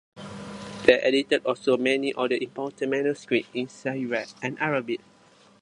They edited also many other important manuscripts in Syriac and Arabic.